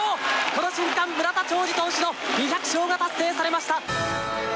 この瞬間、村田兆治の２００勝が達成されました。